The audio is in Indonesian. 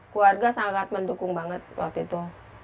keluarga sangat mendukung banget waktu itu